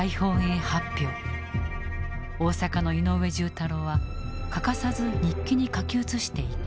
大阪の井上重太郎は欠かさず日記に書き写していた。